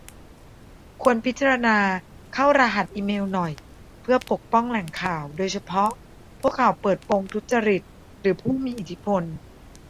ควรพิจารณาเข้ารหัสอีเมลหน่อย เพื่อปกป้องแหล่งข่าว โดยเฉพาะพวกข่าวเปิดโปงทุจริตหรือผู้มีอิทธิพล